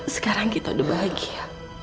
sekarang kita udah bahagia